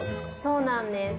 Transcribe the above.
・そうなんです。